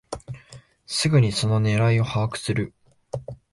すぐにその狙いを把握する